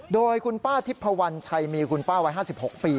โดยคุณป้าทิพพวันชัยมีคุณป้าวัย๕๖ปี